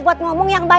eh mau kemana